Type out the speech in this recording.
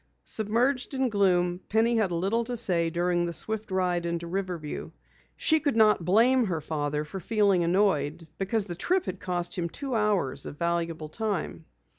Submerged in gloom, Penny had little to say during the swift ride into Riverview. She could not blame her father for feeling annoyed, because the trip had cost him two hours of valuable time.